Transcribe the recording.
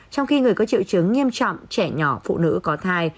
trong khi người có triệu chứng nghiêm trọng trẻ nhỏ phụ nữ có thai